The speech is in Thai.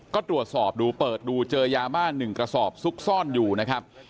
ก็ตรวจสอบดูเปิดดูเจอยาบ้า๑กระสอบซุกซ่อนอยู่นะครับ